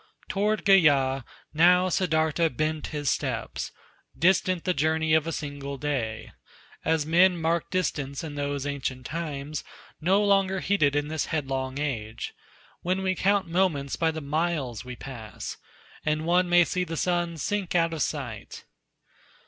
Toward Gaya now Siddartha bent his steps, Distant the journey of a single day As men marked distance in those ancient times, No longer heeded in this headlong age, When we count moments by the miles we pass; And one may see the sun sink out of sight.